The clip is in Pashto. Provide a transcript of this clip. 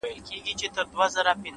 • د انسان د ژوند د چارو یو حکمت دی ,